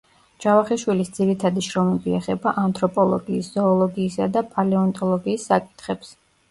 ჯავახიშვილის ძირითადი შრომები ეხება ანთროპოლოგიის, ზოოლოგიისა და პალეონტოლოგიის საკითხებს.